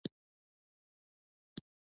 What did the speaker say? د دیني او ادبي علومو او فنونو مطالعه یې کوله.